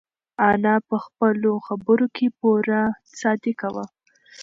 انا په خپلو خبرو کې پوره صادقه وه.